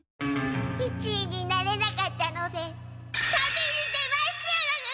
一位になれなかったので旅に出ます！